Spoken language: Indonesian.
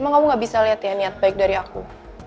emang kamu gak bisa lihat ya niat baik dari aku